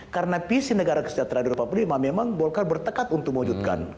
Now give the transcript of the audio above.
karena visi negara kesejahteraan dua ribu empat puluh lima memang golkar bertekad untuk mewujudkan